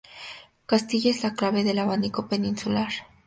Castilla es la clave del abanico peninsular"".